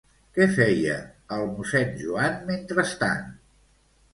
Què feia el mossèn Joan, mentrestant?